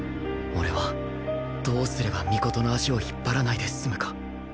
俺はどうすれば尊の足を引っ張らないで済むか